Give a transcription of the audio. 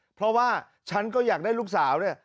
เพราะว่าฉันก็อยากได้ลูกสาวเนี่ย